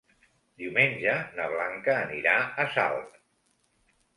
Diumenge na Blanca anirà a Salt.